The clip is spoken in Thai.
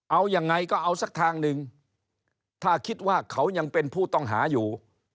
เอายังไงก็เอาสักทางหนึ่งถ้าคิดว่าเขายังเป็นผู้ต้องหาอยู่